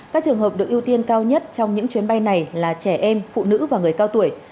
các trường hợp được ưu tiên cao nhất trong những chuyến bay này là trẻ em phụ nữ và người cao tuổi